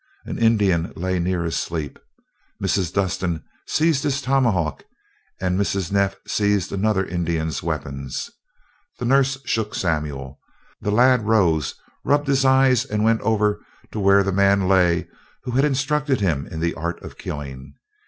An Indian lay near asleep. Mrs. Dustin seized his tomahawk, and Mrs. Neff seized another Indian's weapons. The nurse shook Samuel. The lad rose, rubbed his eyes and went over to where the man lay, who had instructed him in the art of killing.